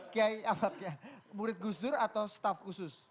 kiai apa murid gus dur atau staff khusus